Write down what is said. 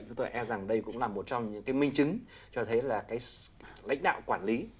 chúng tôi e rằng đây cũng là một trong những cái minh chứng cho thấy là cái lãnh đạo quản lý